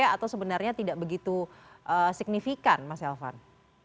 atau sebenarnya tidak begitu signifikan mas elvan